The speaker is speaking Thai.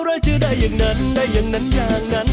อะไรจะได้อย่างนั้นได้อย่างนั้นอย่างนั้น